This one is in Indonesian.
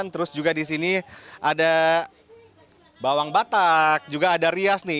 terus juga di sini ada bawang batak juga ada rias nih